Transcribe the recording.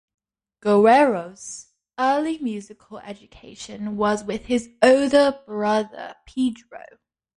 Guerrero's early musical education was with his older brother Pedro.